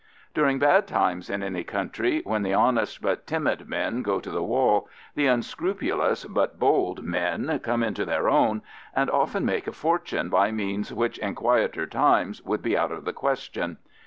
During bad times in any country, when the honest but timid men go to the wall, the unscrupulous but bold men come into their own, and often make a fortune by means which in quieter times would be out of the question.